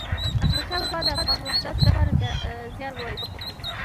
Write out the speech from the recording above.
احمد شاه بابا د افغان وحدت لپاره زیار وایست.